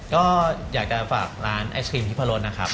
ก็อยากจะฝากร้านไอศครีมทิพรสนะครับ